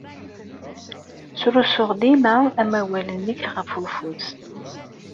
Srusuy dima amawal-nnek ɣef ufus.